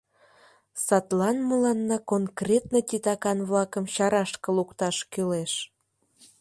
Садлан мыланна конкретно титакан-влакым чарашке лукташ кӱлеш.